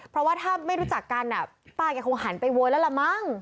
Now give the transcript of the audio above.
เพราะว่าถ้าไม่รู้จักกันป้าแกคงหันไปโวยแล้วละมั้ง